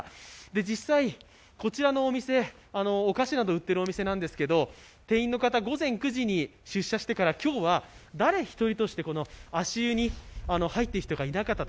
実際、こちらのお店、お菓子などを売っているお店なんですけど店員の方、午前９時に出社してから、今日は誰一人としてこの足湯に入った人がいなかったと。